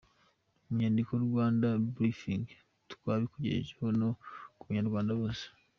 Mu nyandiko Rwanda Briefing, twabikugejejeho, no kubanyarwanda bose.